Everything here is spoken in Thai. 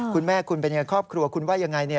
คุณแม่คุณเป็นยังไงครอบครัวคุณว่ายังไง